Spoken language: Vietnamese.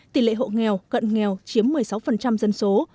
tỷ lệ hộ nghèo cận nghèo chiếm một mươi sáu dân số